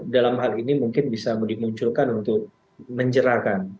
dalam hal ini mungkin bisa dimunculkan untuk menjerahkan